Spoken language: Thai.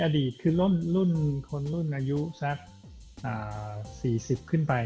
อดีตลุ่นคนอายุคือสัก๔๐ขึ้นไป